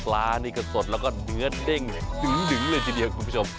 นี่ก็สดแล้วก็เนื้อเด้งเลยดึงเลยทีเดียวคุณผู้ชม